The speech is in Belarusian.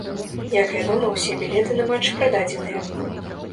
Як вядома, усе білеты на матч прададзеныя.